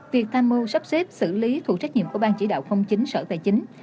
việc tham mưu sắp xếp xử lý thuộc trách nhiệm của ban chỉ đạo không chính sở tài chính